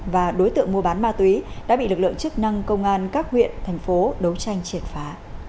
và đối tượng mua bán ma túy đã bị lực lượng chức năng công an các huyện thành phố đấu tranh triệt phá